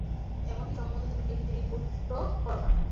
এমনকি সময়মতো তুমি ডিউটিতে রিপোর্টও করো না।